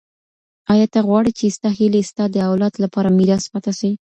ایا ته غواړې چي ستا هیلې ستا د اولاد لپاره ميراث پاته سي؟